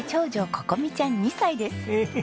心美ちゃん２歳です。